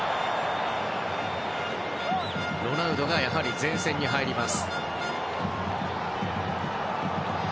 ロナウドがやはり前線に入ります。